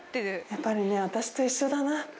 やっぱりね私と一緒だな